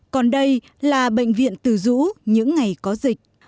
còn đây là bệnh viện từ dũ những ngày có dịch